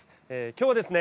今日はですね